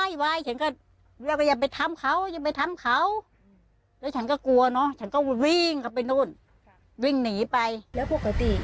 เย็บย่ำอะไรน้ำตรงน้ำใจมาแล้วมีอาการมี